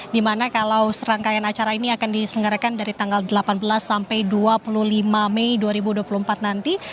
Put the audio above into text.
dimana kalau serangkaian acara ini akan diselenggarakan dari tanggal delapan belas sampai dua puluh lima mei dua ribu dua puluh empat nanti